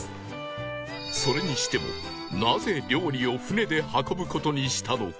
それにしてもなぜ料理を船で運ぶ事にしたのか？